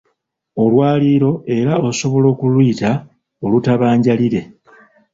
Olwaliiro era osobola okuluyita olutabanjaliire